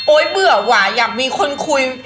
โอ๊ยเบื่อหว่าอยากมีคนคุย